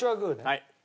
はい。